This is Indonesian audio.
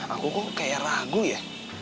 aku pun kayak ragu ya